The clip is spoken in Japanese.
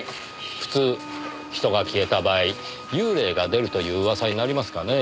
普通人が消えた場合幽霊が出るという噂になりますかねぇ？